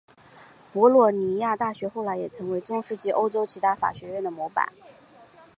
博洛尼亚大学后来也成为了中世纪欧洲其他法学院的模板。